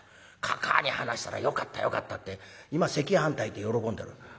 かかあに話したらよかったよかったって今赤飯炊いて喜んでる」。